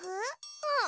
うん。